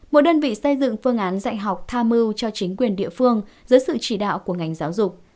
một đơn vị xây dựng phương án dạy học tham mưu cho chính quyền địa phương dưới sự chỉ đạo của ngành giáo dục